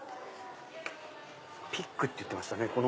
ピックって言ってましたね。